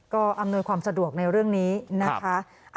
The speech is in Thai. ก็อำนวยความสะดวกในเรื่องนี้นะคะ